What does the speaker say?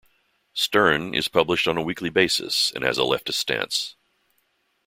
"Stern" is published on a weekly basis and has a leftist stance.